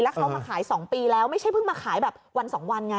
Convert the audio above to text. เขามาขาย๒ปีแล้วไม่ใช่เพิ่งมาขายแบบวัน๒วันไง